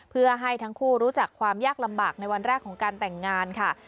เพื่อให้ทั้งคู่รู้จักความยากลำบากในวันแรกของการแต่งงานค่ะ